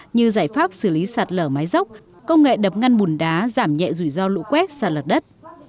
như giải pháp xử lý sạt lở mái dốc công nghệ đập ngăn bùn đá giảm nhẹ rủi ro lũ quét sạt lở đất